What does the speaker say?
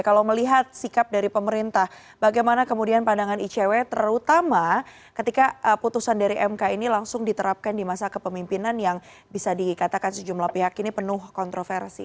kalau melihat sikap dari pemerintah bagaimana kemudian pandangan icw terutama ketika putusan dari mk ini langsung diterapkan di masa kepemimpinan yang bisa dikatakan sejumlah pihak ini penuh kontroversi